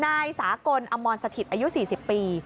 นายสากลอมรสถิตอายุ๔๐ปี